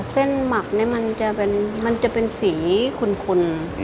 เส้นหมับเนี่ยมันจะเป็นสีคุณ